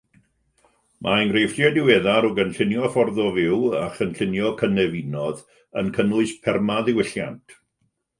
Mae enghreifftiau diweddar o gynllunio ffordd o fyw a chynllunio cynefinoedd yn cynnwys permaddiwylliant.